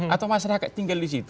atau masyarakat tinggal di situ